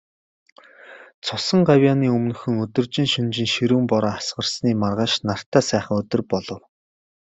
Цусан гавьяаны өмнөхөн, өдөржин, шөнөжин ширүүн бороо асгарсны маргааш нартай сайхан өдөр болов.